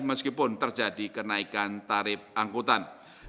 meskipun terjadi kenaikan tarif angkutan